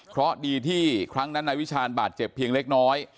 เพราะดีที่ครั้งนั้นนายวิชาญบาดเจ็บเพียงเล็กน้อย